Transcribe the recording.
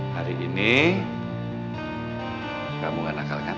hari ini kamu gak nakal kan